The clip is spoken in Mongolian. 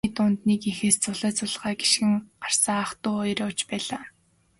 Тэдний дунд нэг эхээс зулай зулайгаа гишгэн гарсан ах дүү хоёр явж байлаа.